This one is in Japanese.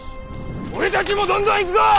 俺たちもどんどん行くぞ！